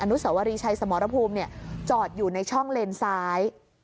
นุสวรีชัยสมรภูมิจอดอยู่ในช่องเลนซ้าย